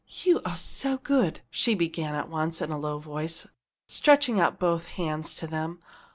"You are so good!" she began at once, in a low voice, stretching out both hands to them.